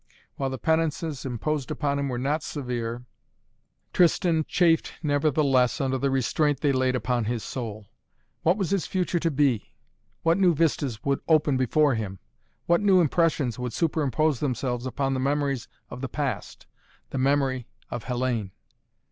While the penances imposed upon him were not severe, Tristan chafed nevertheless under the restraint they laid upon his soul. What was his future life to be? What new vistas would open before him? What new impressions would superimpose themselves upon the memories of the past the memory of Hellayne?